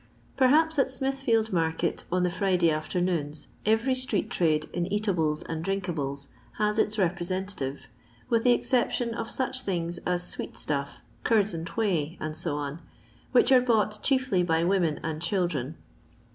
Perhaps at Smithfield market on the Friday iJter* noons every street trade in eatables and drinkables has its representative, with the exception of such things as sweet stuff, curds and whey, &c., which are bought chiefly by women and children.